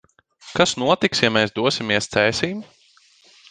Kas notiks, ja mēs dosimies Cēsīm?